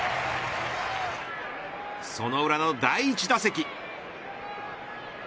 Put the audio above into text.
その裏の第１打席。